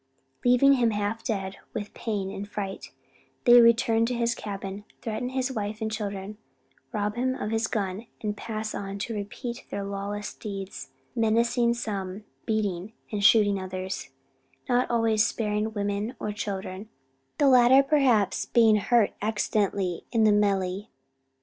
Leaving him half dead with pain and fright, they return to his cabin, threaten his wife and children, rob him of his gun, and pass on to repeat their lawless deeds; menacing some, beating and shooting others; not always sparing women or children; the latter perhaps, being hurt accidentally in the melee.